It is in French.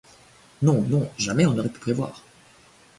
Non, non, jamais on n'aurait pu prévoir.